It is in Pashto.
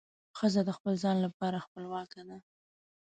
ښځه د خپل ځان لپاره خپلواکه ده.